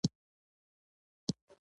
موږ په فلاينګ کوچ موټر کښې سپاره سو.